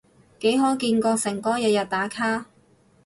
幾可見過誠哥日日打卡？